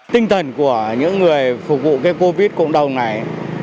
tinh thần của những người phục vụ cái covid cộng đồng này